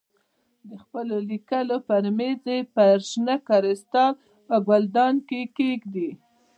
د خپلو لیکلو پر مېز یې په شنه کریسټال ګلدان کې کېږدې.